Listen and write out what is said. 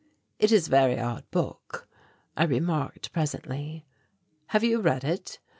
"It is a very odd book," I remarked presently. "Have you read it?"